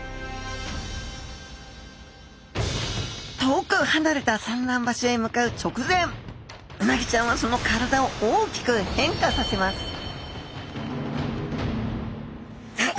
遠くはなれた産卵場所へ向かう直前うなぎちゃんはその体を大きく変化させますさあ